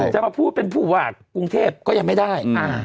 จะมาพูดเป็นผู้ว่ากรุงเทพก็ยังไม่ได้